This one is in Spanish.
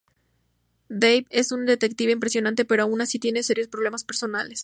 Dave es un detective impresionante, pero aun así tiene serios problemas personales.